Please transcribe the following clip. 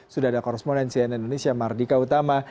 sudah ada korespondensi dari indonesia mardika utama